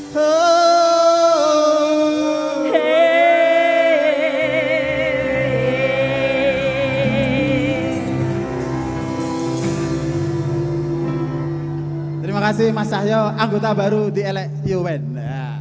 terima kasih mas sahyo anggota baru di l a u band